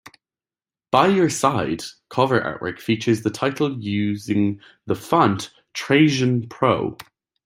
"By Your Side" cover artwork features the title using the font Trajan Pro.